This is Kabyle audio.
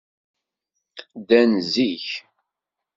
Ddan zik.